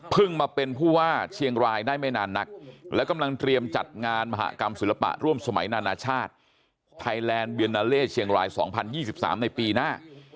มาเป็นผู้ว่าเชียงรายได้ไม่นานนักและกำลังเตรียมจัดงานมหากรรมศิลปะร่วมสมัยนานาชาติไทยแลนด์เบียนนาเล่เชียงราย๒๐๒๓ในปีหน้า